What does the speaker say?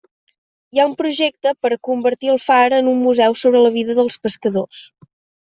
Hi ha un projecte per a convertir el far en un museu sobre la vida dels pescadors.